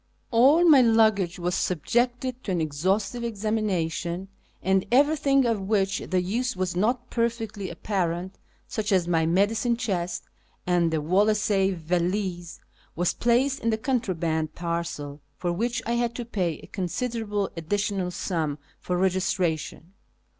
All my luggage was subjected to an exhaustive examination, and everything of which the use was not perfectly apparent (such as my medicine chest and the Wolseley valise), was j)laced in the contraband parcel, for wliich I had to pay a considerable additional sum for regis tration.